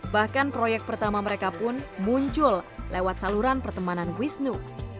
bahkan proyek pertama mereka pun muncul lewat saluran pertemanan wisnu